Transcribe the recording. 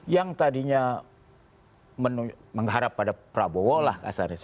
yang tadinya mengharap pada prabowo lah kasarnya